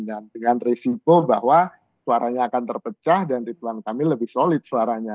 dan dengan resiko bahwa suaranya akan terpecah dan ridwan kamil lebih solid suaranya